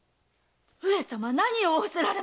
上様何を仰せられます！